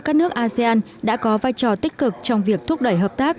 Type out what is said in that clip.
các nước asean đã có vai trò tích cực trong việc thúc đẩy hợp tác